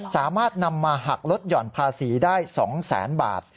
สามารถนำมาหักลดหย่อนภาษีได้๒แสนบาท